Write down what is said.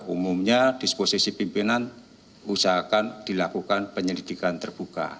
umumnya disposisi pimpinan usahakan dilakukan penyelidikan terbuka